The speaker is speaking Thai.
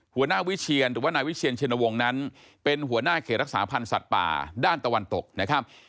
หัวหน้าวิเชียนหรือว่านายวิเชียนชินวงศ์นั้นเป็นหัวหน้าเขตรักษาพันธ์สัตว์ป่าด้านตะวันตกนะครับ